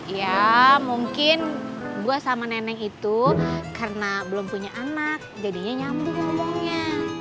ya mungkin gue sama nenek itu karena belum punya anak jadinya nyambung ngomongnya